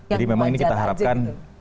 jadi memang ini kita harapkan